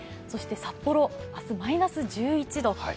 そして札幌、明日マイナス１１度。